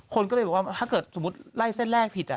คนก็เลยบอกว่าถ้าเกิดสมมุติไล่เส้นแรกผิด